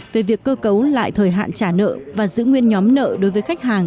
về việc cơ cấu lại thời hạn trả nợ và giữ nguyên nhóm nợ đối với khách hàng